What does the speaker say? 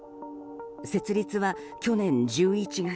設立は去年１１月。